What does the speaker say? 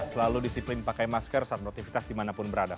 selalu disiplin pakai masker saat beraktivitas dimanapun berada